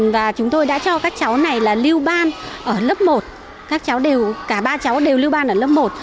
và chúng tôi đã cho các cháu này là lưu ban ở lớp một các cháu đều cả ba cháu đều lưu ban ở lớp một